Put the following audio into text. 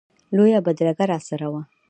لویه بدرګه راسره وه.